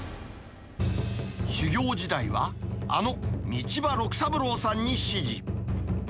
修業時代は、あの道場六三郎さんに師事。